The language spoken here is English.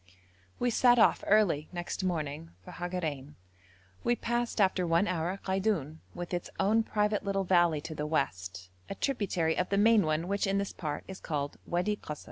We set off early next morning for Hagarein. We passed after one hour Kaidoun, with its own private little valley to the west, a tributary of the main one, which in this part is called Wadi Kasr.